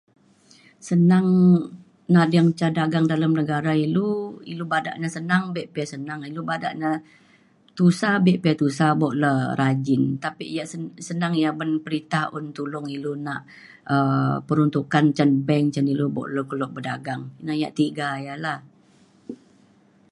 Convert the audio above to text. senang nading ca dagang dalam negara ilu ilu badak ne senang bik pe senang ilu badak ne tusa bik pe tusa bok le rajin nta pik ya senang ya men perinta yak tolong ilu nak um peruntukkan cen bank cen ilu bok keluk berdagang nak yak tiga yak la.